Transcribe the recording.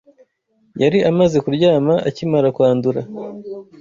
Yari amaze kuryama akimara kwandura?